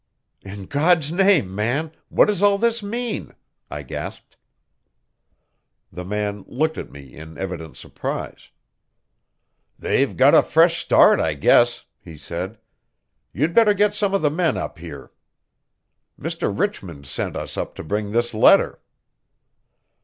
"In God's name, man, what does all this mean?" I gasped. The man looked at me in evident surprise. "They've got a fresh start, I guess," he said. "You'd better get some of the men up here. Mr. Richmond sent us up to bring this letter."